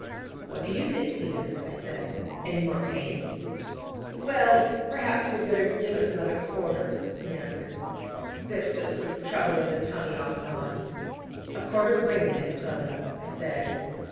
'What do you think, Peters?' I said: 'any more pains?' 'Well, perhaps you had better give us another quarter,' he answered: 'there's still some trouble in the tummy off and on.' 'A quarter grain, then, Clodagh, 'I said.